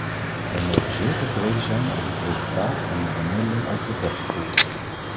Wij mogen zeer tevreden zijn over het resultaat van de bemiddeling over het wegvervoer.